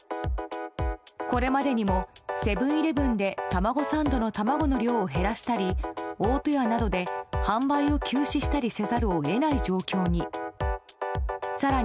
これまでにもセブン‐イレブンでたまごサンドの卵の量を減らしたり大戸屋などで販売を休止したりせざるを得ない状況に。